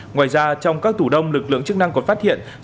ngoài ra trong các tủ đông lực lượng chức năng còn phát hiện